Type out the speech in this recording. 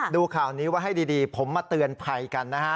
ดูข่าวนี้ไว้ให้ดีผมมาเตือนภัยกันนะฮะ